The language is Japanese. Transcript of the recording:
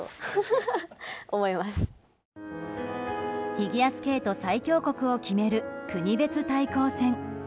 フィギュアスケート最強国を決める国別対抗戦。